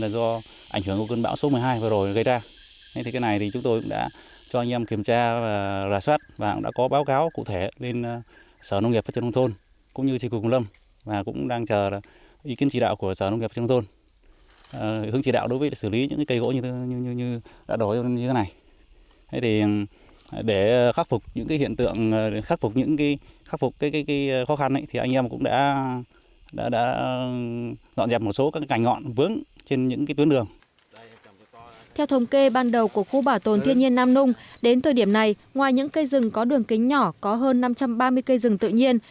theo thống kê ban đầu của khu bảo tồn thiên nhiên nam nông đến thời điểm này ngoài những cây rừng có đường kính nhỏ có hơn năm trăm ba mươi cây rừng tự nhiên